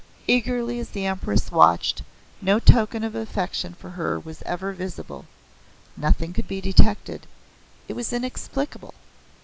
Eagerly as the Empress watched, no token of affection for her was ever visible. Nothing could be detected. It was inexplicable.